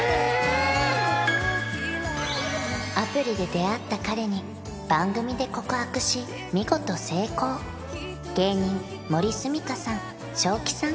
アプリで出会った彼に番組で告白し見事成功芸人もリスみかさん将生さん